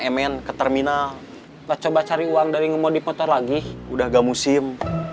emman ke terminal tak coba cari uang dari ngemodip motor lagi udah gak musim